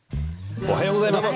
おはようございます。